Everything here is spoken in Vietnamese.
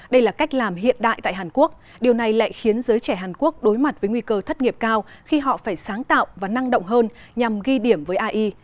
đây là cách làm hiện đại tại hàn quốc điều này lại khiến giới trẻ hàn quốc đối mặt với nguy cơ thất nghiệp cao khi họ phải sáng tạo và năng động hơn nhằm ghi điểm với ai